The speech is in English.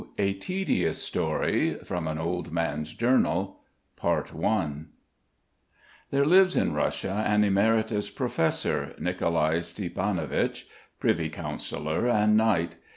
A TEDIOUS STORY (FROM AN OLD MAN'S JOURNAL) There lives in Russia an emeritus professor, Nicolai Stiepanovich ... privy councillor and knight.